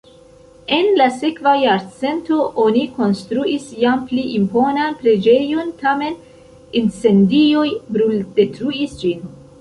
En la sekva jarcento oni konstruis jam pli imponan preĝejon, tamen incendioj bruldetruis ĝin.